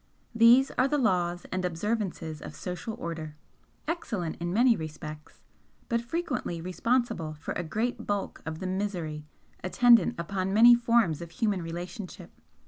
These are the laws and observances of social order, excellent in many respects, but frequently responsible for a great bulk of the misery attendant upon many forms of human relationship.